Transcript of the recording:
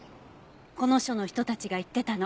この署の人たちが言ってたの。